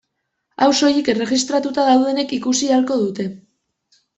Hau soilik erregistratuta daudenek ikusi ahalko dute.